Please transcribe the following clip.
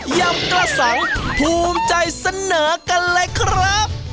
ยำกระสังภูมิใจเสนอกันเลยครับ